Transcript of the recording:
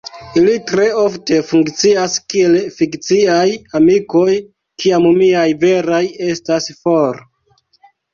Ili tre ofte funkcias kiel fikciaj amikoj, kiam miaj veraj estas for.